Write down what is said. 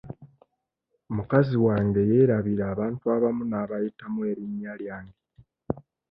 Mukazi wange yeerabira abantu abamu n'abayitamu erinnya lyange.